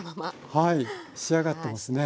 はい仕上がってますね。